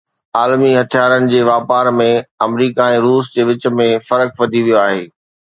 عالمي هٿيارن جي واپار ۾ آمريڪا ۽ روس جي وچ ۾ فرق وڌي ويو آهي